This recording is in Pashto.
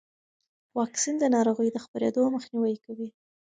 واکسن د ناروغۍ د خپرېدو مخنیوی کوي.